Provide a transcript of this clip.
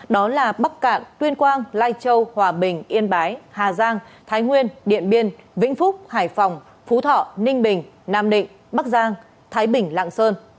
đó là bắc cạn tuyên quang lai châu hòa bình yên bái hà giang thái nguyên điện biên vĩnh phúc hải phòng phú thọ ninh bình nam định bắc giang thái bình lạng sơn